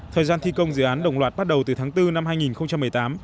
thời gian thi công dự án đồng loạt bắt đầu từ tháng bốn năm hai nghìn một mươi tám